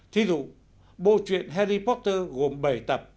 thí dụ bộ truyện harry potter gồm bảy tập